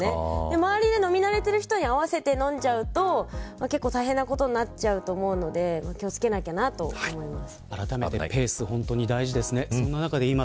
周りで飲み慣れてる人に合わせて飲んじゃうと結構大変なことになっちゃうと思うので気を付けなきゃなと思います。